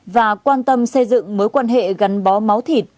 và quan tâm xây dựng mối quan hệ gắn bó máu thịt